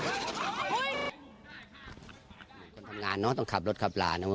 คนทำงานต้องขับรถขับหลาน